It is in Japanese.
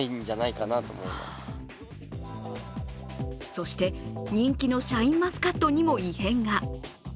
そして、人気のシャインマスカットにも異変が。